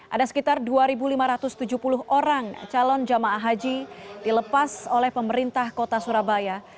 ada sekitar dua lima ratus tujuh puluh orang calon jemaah haji dilepas oleh pemerintah kota surabaya